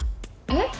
えっ？